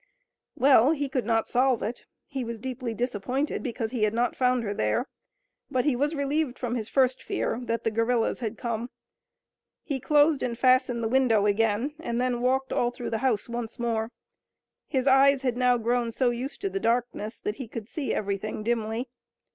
Well, he could not solve it. He was deeply disappointed because he had not found her there, but he was relieved from his first fear that the guerillas had come. He closed and fastened the window again, and then walked all through the house once more. His eyes had now grown so used to the darkness that he could see everything dimly.